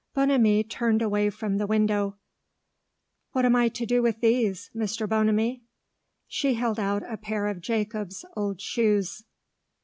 Bonamy turned away from the window. "What am I to do with these, Mr. Bonamy?" She held out a pair of Jacob's old shoes.